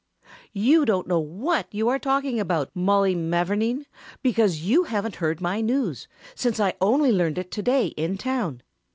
"You don't know what you are talking about, Mollie Mavourneen, because you haven't heard my news, since I only learned it to day in town.